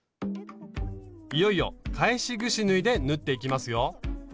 いよいよ返しぐし縫いで縫っていきますよ。